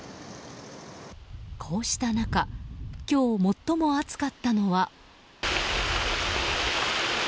こうした中、今日最も暑かったのは。